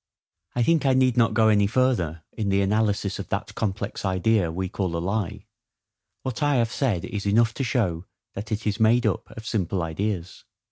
I think I need not go any further in the analysis of that complex idea we call a lie: what I have said is enough to show that it is made up of simple ideas.